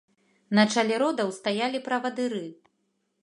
На чале родаў стаялі правадыры.